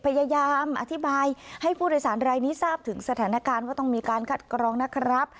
พยายามอธิบายให้ผู้โดยสารรายนี้ทราบถึงสถานการณ์ว่าต้องมีการคัดกรองนะครับ